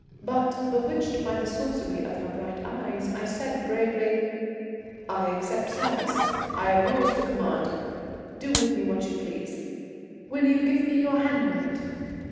But, bewitched by the sorcery of her bright eyes, I said bravely: "I accept service I am yours to command. Do with me what you please." "Will you give me your hand on it?"